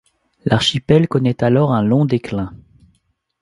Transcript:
L'archipel connaît alors un long déclin.